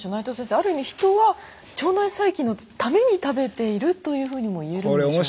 ある意味ヒトは腸内細菌のために食べているというふうにも言えるんでしょうか？